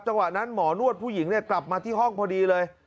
จังหวะนั้นหมอนวดผู้หญิงกลับมาที่ห้องพอดีเลย